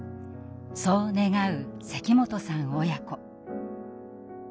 そう願う関本さん親子。